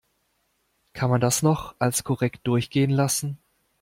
Kann man das noch als korrekt durchgehen lassen?